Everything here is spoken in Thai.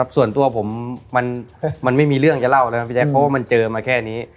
ส่วนตัวผมมันไม่มีเรื่องจะเล่าแล้วนะพี่แจ๊คเพราะว่ามันเจอมาแค่นี้